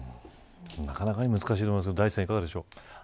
なかなかに難しいと思いますが大地さん、いかがでしょう。